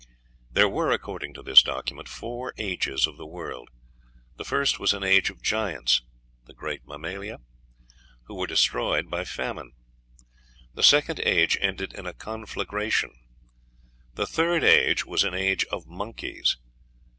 There were, according to this document, four ages of the world. The first was an age of giants (the great mammalia?) who were destroyed by famine; the second age ended in a conflagration; the third age was an age of monkeys.